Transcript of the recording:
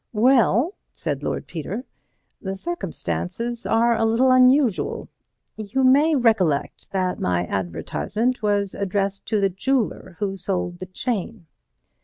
"Well," said Lord Peter, "the circumstances are a little unusual. You may recollect that my advertisement was addressed to the jeweller who sold the chain."